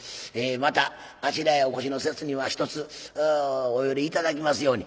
「またあちらへお越しの節にはひとつお寄り頂きますように」。